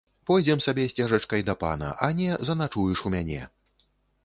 Пойдзем сабе сцежачкай да пана, а не, заначуеш у мяне!